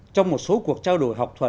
trong một số cuộc trao đổi học